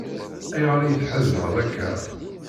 Ayɣer ay tḥezneḍ akka?